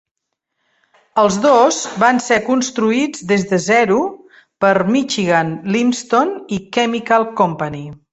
Els dos van ser construïts des de zero per Michigan Limestone i Chemical Company.